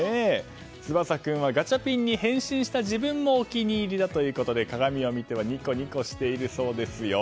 翼君はガチャピンに変身した自分もお気に入りということで鏡を見てはニコニコしているそうですよ。